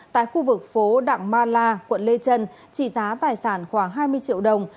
tại khu vực phố đặng ma la quận lê trân trị giá tài sản khoảng hai mươi triệu đồng